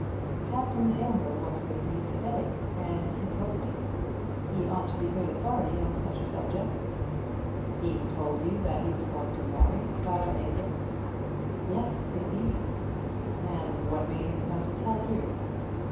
"Captain Aylmer was with me to day, and he told me. He ought to be good authority on such a subject." "He told you that he was going to marry Clara Amedroz?" "Yes, indeed." "And what made him come to you, to tell you?"